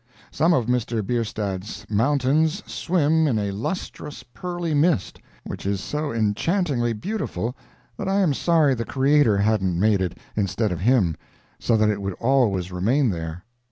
Some of Mr. Bierstadt's mountains swim in a lustrous, pearly mist, which is so enchantingly beautiful that I am sorry the Creator hadn't made it instead of him, so that it would always remain there.